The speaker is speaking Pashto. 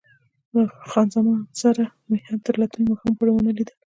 له خان زمان سره مې هم تر راتلونکي ماښام پورې ونه لیدل.